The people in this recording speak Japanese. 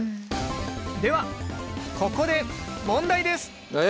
ではここで問題です。え？